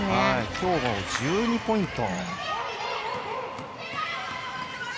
今日１２ポイント。